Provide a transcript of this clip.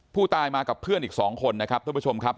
ผู้ตายมากับเพื่อนอีก๒คนนะครับท่านผู้ชมครับ